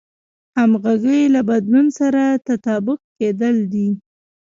همغږي له بدلون سره تطابق کېدل دي.